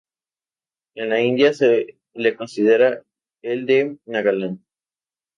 En la India se lo considera el de Nagaland.